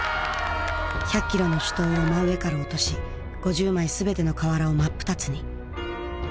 １００キロの手刀を真上から落とし５０枚全ての瓦を真っ二つに。